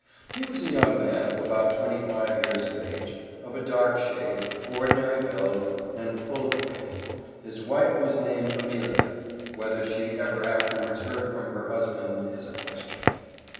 He was a young man, of about twenty five years of age, of a dark shade, ordinary build, and full of grit. His wife was named Amelia; whether she ever afterwards heard from her husband is a question.